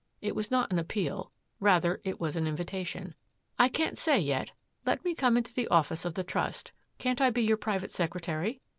It was not an appeal; rather it was an invitation. "I can't say, yet. Let me come into the office of the Trust. Can't I be your private secretary?"